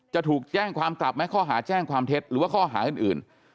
จะถูกแจ้งความกลับไหมข้อหาแจ้งความเท็จหรือว่าข้อหาอื่น